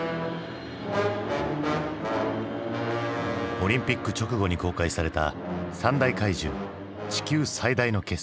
オリンピック直後に公開された「三大怪獣地球最大の決戦」。